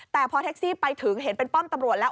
แต่พอแท็กซี่ไปถึงเห็นเป็นป้อมตำรวจแล้ว